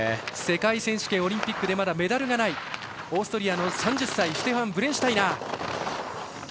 世界選手権、オリンピックでまだメダルがないオーストリアの３０歳シュテファン・ブレンシュタイナー。